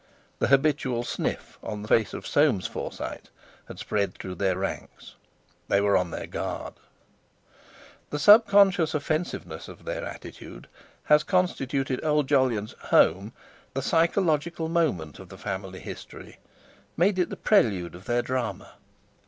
The habitual sniff on the face of Soames Forsyte had spread through their ranks; they were on their guard. The subconscious offensiveness of their attitude has constituted old Jolyon's "home" the psychological moment of the family history, made it the prelude of their drama.